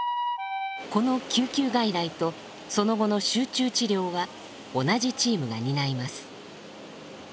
この救急外来とその後の集中治療は同じチームが担います。